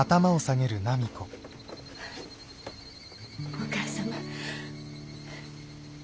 お義母様。